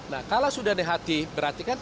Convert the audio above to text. nah kalau sudah negatif berarti kan